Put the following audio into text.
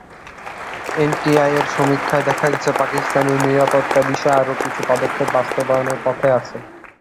এনটিআইয়ের সমীক্ষায় দেখা গেছে, পাকিস্তানের নিরাপত্তা বিষয়ে আরও কিছু পদক্ষেপ বাস্তবায়নের পথে আছে।